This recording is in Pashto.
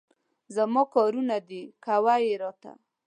زما کارونه دي، کوه یې راته.